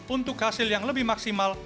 untuk hasil yang lebih maksimal